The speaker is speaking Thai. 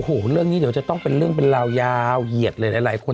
โอ้โหเรื่องนี้เดี๋ยวจะต้องเป็นเรื่องเป็นราวยาวเหยียดเลยหลายคน